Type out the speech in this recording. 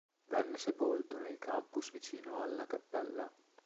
Venne sepolto nel campus vicino alla cappella.